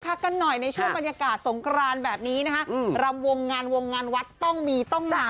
กันหน่อยในช่วงบรรยากาศสงกรานแบบนี้นะคะรำวงงานวงงานวัดต้องมีต้องมา